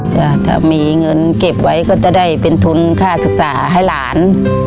ถ้ามีเงินเก็บไว้ก็จะได้เป็นทุนค่าศึกษาให้หลาน